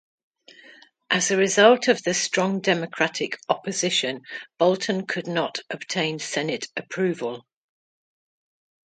As a result of the strong Democratic opposition Bolton could not obtain Senate approval.